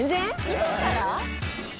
今から？